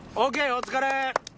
お疲れ！